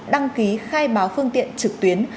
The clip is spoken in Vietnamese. đăng ký khai báo phương tiện trực tuyến